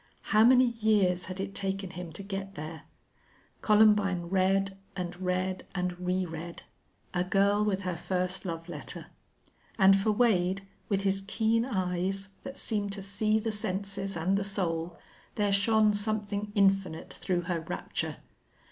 How many years had it taken him to get there! Columbine read and read and reread a girl with her first love letter. And for Wade, with his keen eyes that seemed to see the senses and the soul, there shone something infinite through her rapture.